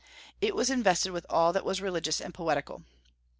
It was invested with all that was religious and poetical.